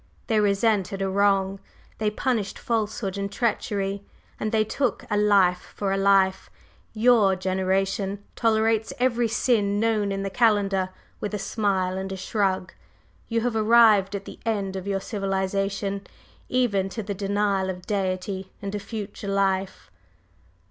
They resented a wrong, they punished falsehood and treachery, and they took a life for a life. Your generation tolerates every sin known in the calendar with a smile and a shrug, you have arrived at the end of your civilization, even to the denial of Deity and a future life."